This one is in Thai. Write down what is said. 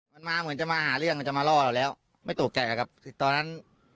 มันมาเหมือนจะมาหาเรื่องมันจะมาล่อเราแล้วไม่ตกใจครับตอนนั้น